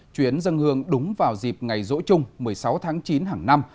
chuyến dân hương đúng vào dịp ngày rỗi chung một mươi sáu tháng chín hàng năm